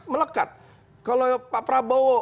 melekat kalau pak prabowo